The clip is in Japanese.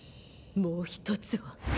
もう一つは。